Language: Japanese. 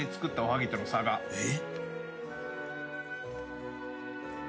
えっ？